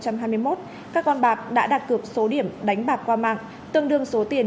các con bạc đã đạt cược số điểm đánh bạc qua mạng tương đương số tiền ba trăm năm mươi tỷ đồng